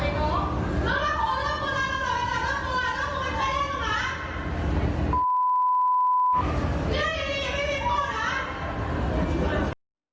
พนักงานในร้าน